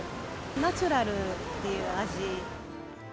ナチュラルっていう味。